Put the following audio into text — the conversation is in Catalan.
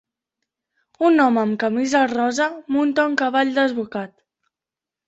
Un home amb camisa rosa munta un cavall desbocat.